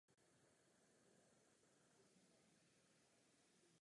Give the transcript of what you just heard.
Žije v Kolíně nad Rýnem.